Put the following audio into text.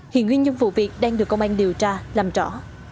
hiện nguyên nhân vụ việc đang được công an điều tra làm rõ